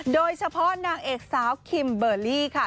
โดยเฉพาะนางเอกสาวคิมเบอร์รี่ค่ะ